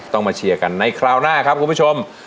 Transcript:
มาเชียร์กันในคราวหน้าครับคุณผู้ชม